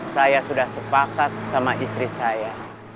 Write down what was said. saya sudah sepakat sama istri saya